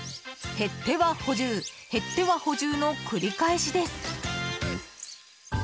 減っては補充減っては補充の繰り返しです。